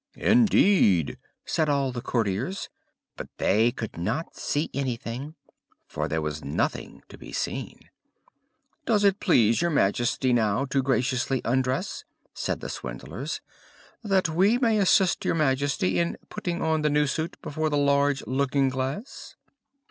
"Indeed!" said all the courtiers; but they could not see anything, for there was nothing to be seen. "Does it please your Majesty now to graciously undress," said the swindlers, "that we may assist your Majesty in putting on the new suit before the large looking glass?"